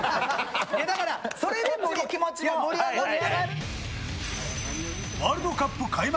だからそれで気持ちが盛り上がって。